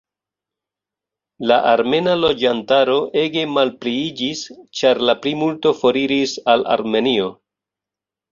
La armena loĝantaro ege malpliiĝis ĉar la plimulto foriris al Armenio.